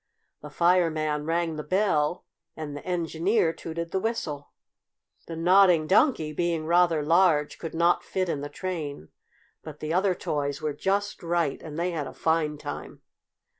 The Fireman rang the bell, and the Engineer tooted the whistle. The Nodding Donkey, being rather large, could not fit in the train, but the other toys were just right, and they had a fine time.